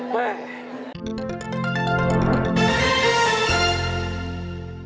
แป๊ะ